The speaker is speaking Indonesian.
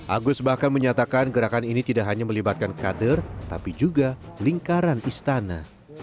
agus bahkan menyatakan gerakan ini tidak hanya melibatkan kader tapi juga lingkaran istana